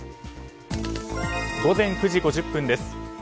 午前９時５０分です。